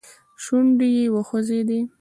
شونډي يې وخوځېدې.